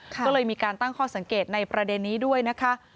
ก็เลยมีการตั้งข้อสังเกตในประเด็นนี้ด้วยนะคะ